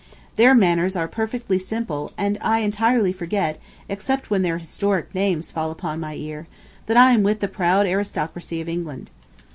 Their manners are perfectly simple and I entirely forget, except when their historic names fall upon my ear, that I am with the proud aristocracy of England.